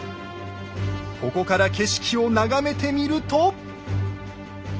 ここから景色を眺めてみると。